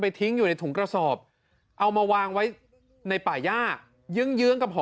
ทิ้งอยู่ในถุงกระสอบเอามาวางไว้ในป่าย่าเยื้องเยื้องกับหอ